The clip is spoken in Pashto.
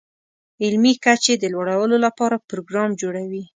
علمي کچې د لوړولو لپاره پروګرام جوړوي.